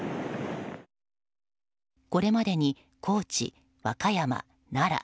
これまでに高知、和歌山、奈良